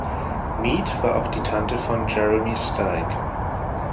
Mead war auch die Tante von Jeremy Steig.